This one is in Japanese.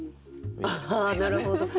ああなるほど。